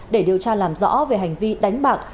để điều tra làm rõ về hành vi đánh bạc